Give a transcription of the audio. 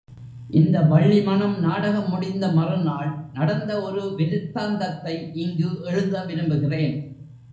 இந்த வள்ளி மணம் நாடகம் முடிந்த மறுநாள் நடந்த ஒரு விருத்தாந்தத்தை இங்கு எழுத விரும்புகிறேன்.